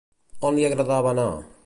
On li agradava anar?